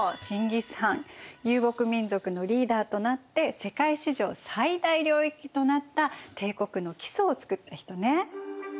遊牧民族のリーダーとなって世界史上最大領域となった帝国の基礎をつくった人ね。